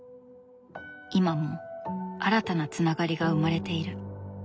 今も新たなつながりが生まれている。